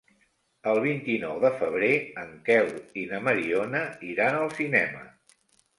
El vint-i-nou de febrer en Quel i na Mariona iran al cinema.